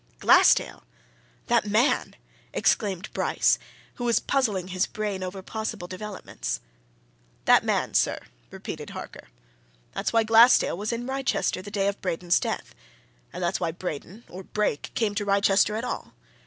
"Glassdale! That man!" exclaimed Bryce, who was puzzling his brain over possible developments. "That man, sir!" repeated Harker. "That's why Glassdale was in Wrychester the day of Braden's death. And that's why Braden, or Brake, came to Wrychester at all.